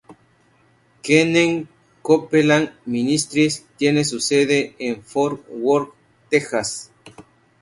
Kenneth Copeland Ministries tiene su sede en Fort Worth, Texas.